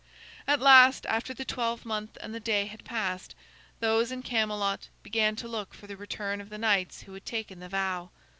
At last, after the twelvemonth and the day had passed, those in Camelot began to look for the return of the knights who had taken the vow.